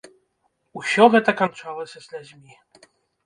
Усё гэта канчалася слязьмі.